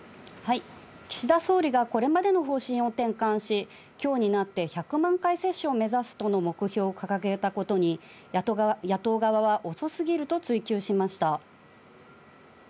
岸田総理がこれまでの方針を転換し、きょうになって、１００万回接種を目指すとの目標を掲げたことに、野党側は遅すぎると追及しました。